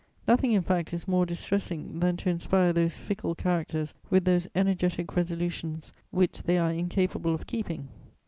Nothing, in fact, is more distressing than to inspire those fickle characters with those energetic resolutions which they are incapable of keeping.